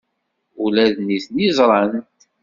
Ula d nitni ẓran-t.